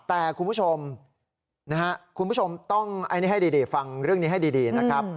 แต่คุณผู้ชมคุณผู้ชมต้องอันนี้ให้ดีฟังเรื่องนี้ให้ดีนะครับ